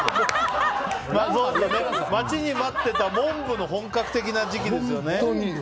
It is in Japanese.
待ちに待ってたモンブの本格的な時期ですよね。